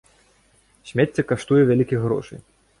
Смецце каштуе вялікіх грошай.